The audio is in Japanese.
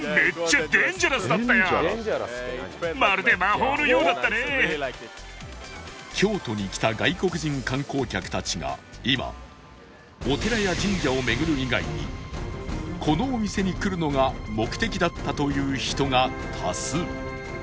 このお店は京都に来た外国人観光客たちが今お寺や神社を巡る以外にこのお店に来るのが目的だったという人が多数